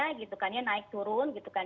nah ini juga ada yang menurunkan